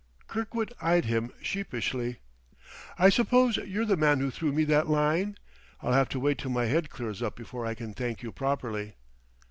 Kirkwood eyed him sheepishly. "I suppose you're the man who threw me that line? I'll have to wait till my head clears up before I can thank you properly."